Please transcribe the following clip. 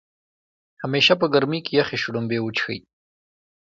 همیشه په ګرمۍ کې يخې شړومبۍ وڅښئ